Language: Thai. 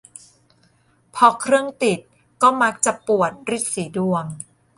พอเครื่องติด ก็มักจะปวดรีดสีดวง